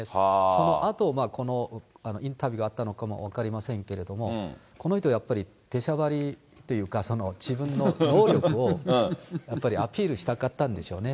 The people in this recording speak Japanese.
そのあと、このインタビューがあったのかも分かりませんけれども、この人、やっぱり出しゃばりというか、自分の能力をやっぱりアピールしたかったんでしょうね。